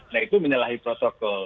nah itu menyalahi protokol